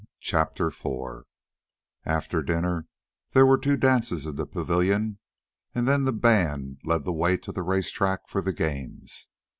CHAPTER IV After dinner there were two dances in the pavilion, and then the band led the way to the race track for the games.